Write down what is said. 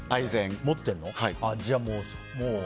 持ってるの？